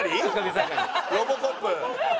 ロボコップ。